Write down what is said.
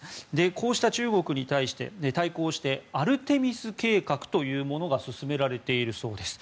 こうした中国に対抗してアルテミス計画というものが進められているそうです。